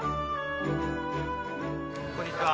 こんにちは。